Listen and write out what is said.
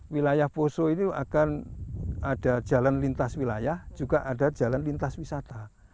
wilayah poso ini akan ada jalan lintas wilayah juga ada jalan lintas wisata